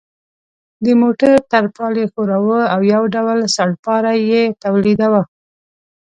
د موټر ترپال یې ښوراوه او یو ډول سړپاری یې تولیداوه.